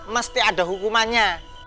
mesti ada hukumannya